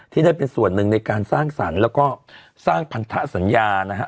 ได้เป็นส่วนหนึ่งในการสร้างสรรค์แล้วก็สร้างพันธสัญญานะฮะ